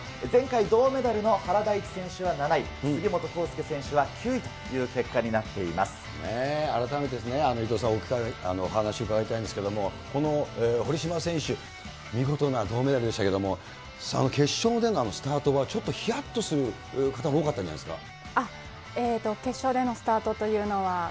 前回銅メダルの原大智選手は７位、杉本幸祐選手は９位という結果に改めて伊藤さん、お話伺いたいんですけれども、この堀島選手、見事な銅メダルでしたけれども、その決勝でのあのスタートは、ちょっとひやっとする方も多かっ決勝でのスタートというのは。